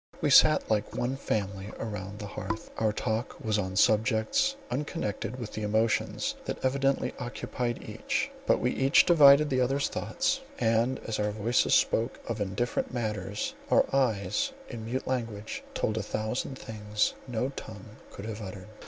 We sat like one family round my hearth. Our talk was on subjects, unconnected with the emotions that evidently occupied each; but we each divined the other's thought, and as our voices spoke of indifferent matters, our eyes, in mute language, told a thousand things no tongue could have uttered.